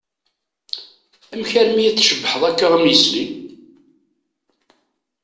Amek armi d-tcebbḥeḍ akka am yisli?